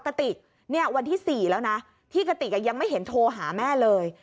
กระติกเนี่ยวันที่๔แล้วนะที่กติกยังไม่เห็นโทรหาแม่เลย